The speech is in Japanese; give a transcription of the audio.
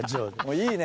いいね。